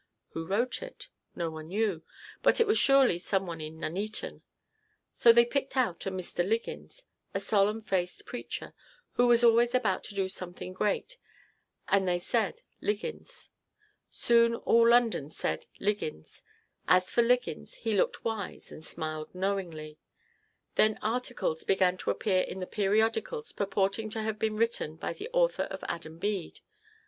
Who wrote it? No one knew, but it was surely some one in Nuneaton. So they picked out a Mr. Liggins, a solemn faced preacher, who was always about to do something great, and they said "Liggins." Soon all London said "Liggins." As for Liggins, he looked wise and smiled knowingly. Then articles began to appear in the periodicals purporting to have been written by the author of "Adam Bede."